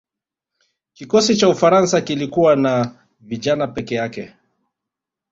kikosi cha ufaransa kilikuwa na vijana peke yake